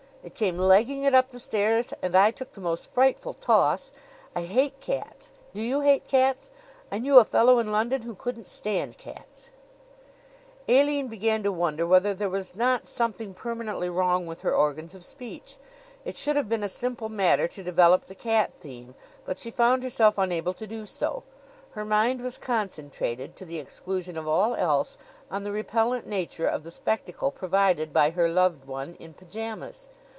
"It came legging it up the stairs and I took the most frightful toss. I hate cats! Do you hate cats? I knew a fellow in London who couldn't stand cats." Aline began to wonder whether there was not something permanently wrong with her organs of speech. It should have been a simple matter to develop the cat theme, but she found herself unable to do so. Her mind was concentrated, to the exclusion of all else, on the repellent nature of the spectacle provided by her loved one in pyjamas.